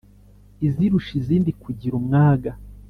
Izirusha izindi kugira umwaga